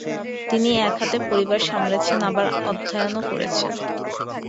তিনি একহাতে পরিবার সামলেছেন আবার অধ্যায়নও করেছেন।